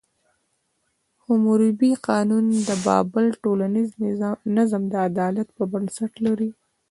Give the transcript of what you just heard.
حموربي قانون د بابل ټولنیز نظم د عدالت په بنسټ لري.